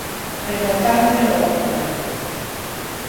Recortáronlles o orzamento.